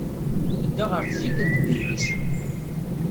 Tedda ɣer tzikkent n yidlisen.